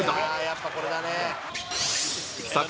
「やっぱこれだね！」